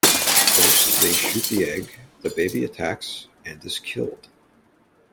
First, they shoot the egg, the baby attacks and is killed.